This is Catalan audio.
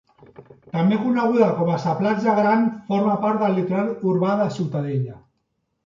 També coneguda com sa platja Gran forma part del litoral urbà de Ciutadella.